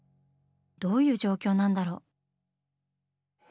どういう状況なんだろう？